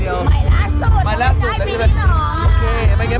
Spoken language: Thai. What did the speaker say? เป็นไงบ้างคุณกับเฮพบอล๑